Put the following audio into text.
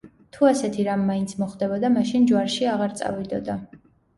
თუ ასეთი რამ მაინც მოხდებოდა, მაშინ ჯვარში აღარ წავიდოდა.